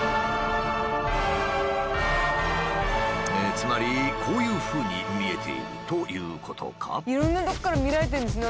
つまりこういうふうに見えているということか？